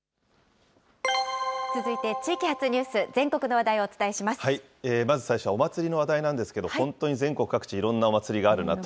続いて地域発ニュース、まず最初はお祭りの話題なんですけど、本当に全国各地、いろんなお祭りがあるなと。